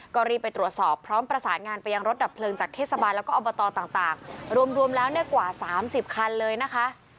ก็รีบไปตรวจสอบพร้อมประสานงานไปยังรถดับเพลิงจากเทศบาลแล้วก็อบตต่างรวมแล้วเนี่ยกว่า๓๐คันเลยนะคะ